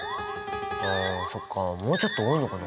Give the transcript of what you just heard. あそっかもうちょっと多いのかな。